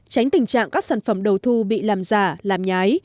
tránh tình trạng các sản phẩm đầu thu bị làm giả làm nhái